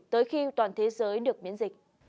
tới khi toàn thế giới được miễn dịch